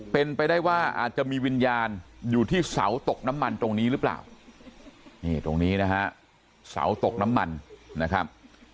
เป็นไปได้ว่าอาจจะมีวิญญาณอยู่ที่เสาตกน้ำมันตรงนี้หรือเปล่านี่ตรงนี้นะฮะเสาตกน้ำมันนะครับ